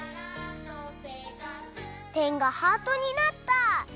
てんがハートになった！